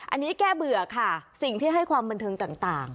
อันนี้แก้เบื่อค่ะสิ่งที่ให้ความบันเทิงต่าง